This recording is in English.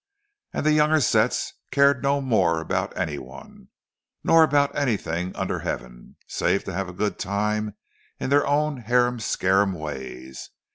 And the younger sets cared no more about anyone—nor about anything under heaven, save to have a good time in their own harum scarum ways.